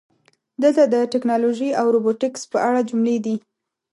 دلته د "ټکنالوژي او روبوټیکس" په اړه جملې دي: